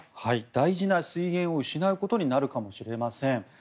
大事な水源を失うことになるかもしれません。